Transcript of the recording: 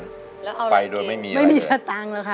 ไปโดยไม่มีอะไรเลยแล้วเอาอะไรเกี่ยวไม่มีแต่ตังค์เลยค่ะ